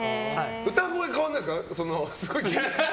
歌声は変わらないんですか？